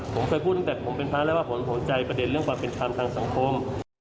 ผมเคยพูดตั้งแต่ผมเป็นพระแล้วว่าผมสนใจประเด็นเรื่องความเป็นธรรมทางสังคม